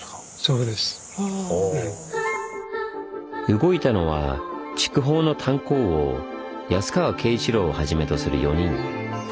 動いたのは筑豊の炭鉱王安川敬一郎をはじめとする４人。